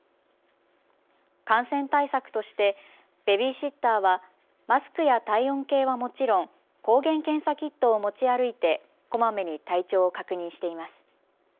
感染対策としてベビーシッターはマスクや体温計はもちろん、抗原検査キットを持ち歩いてこまめに体調を確認しています。